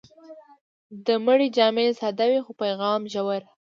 د مړي جامې ساده وي، خو پیغام ژور.